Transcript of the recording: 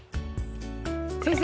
先生